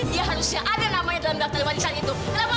dia harusnya ada namanya dalam daftar warisan itu